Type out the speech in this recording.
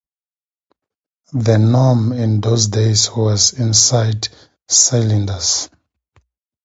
The norm in those days was inside cylinders.